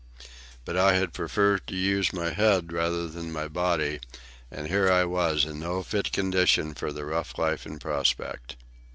But I had preferred to use my head rather than my body; and here I was, in no fit condition for the rough life in prospect.